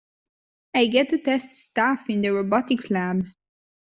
I get to test stuff in the robotics lab.